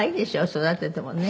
育ててもね」